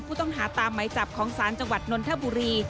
ผู้ต้องหาตามไหมจับของศาลจังหวัดนนทบุรี